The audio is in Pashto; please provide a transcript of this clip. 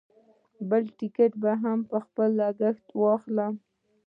بل ټکټ به په خپل لګښت واخلم.